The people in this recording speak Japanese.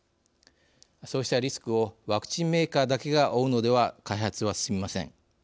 そうしたリスクをワクチンメーカーだけが負うのでは開発は進みません。